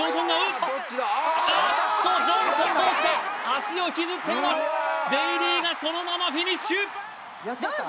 脚を引きずっていますベイリーがそのままフィニッシュ